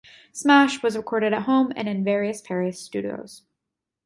"Smash" was recorded at home and in various Paris studios.